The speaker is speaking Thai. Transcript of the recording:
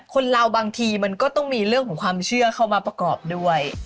คนเราบางทีมันก็ต้องมีเรื่องของความเชื่อเข้ามาประกอบด้วย